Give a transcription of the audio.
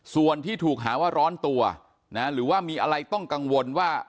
ส่วนที่ถูกหาว่าร้อนตัวหรือว่ามีอะไรต้องกังวลว่า